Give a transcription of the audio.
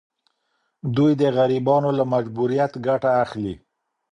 دوی د غریبانو له مجبوریت ګټه اخلي.